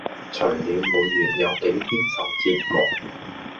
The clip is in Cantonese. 除了每月有幾天受折磨